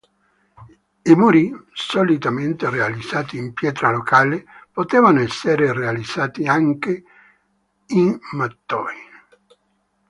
I muri, solitamente realizzati in pietra locale, potevano essere realizzati anche in mattoni.